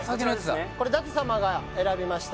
これ舘様が選びました